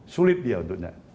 sulit dia untuknya